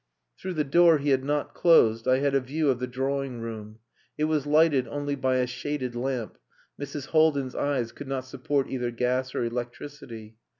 Through the door he had not closed I had a view of the drawing room. It was lighted only by a shaded lamp Mrs. Haldin's eyes could not support either gas or electricity.